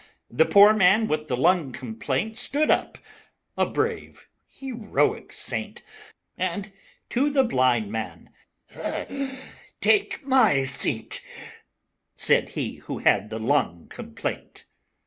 The poor Man with the Lung Complaint Stood up a brave, heroic saint And to the Blind Man, "Take my seat," Said he who had the Lung Complaint.